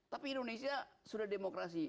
tapi indonesia sudah demokrasi